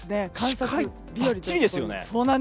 視界ばっちりですよね。